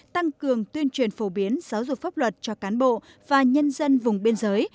tăng cường tuyên truyền phổ biến giáo dục pháp luật cho cán bộ và nhân dân vùng biên giới